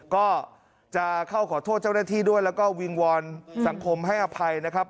ก็จะเข้าขอโทษเจ้าหน้าที่ด้วยแล้วก็วิงวอนสังคมให้อภัยนะครับ